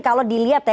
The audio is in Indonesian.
kalau dilihat ya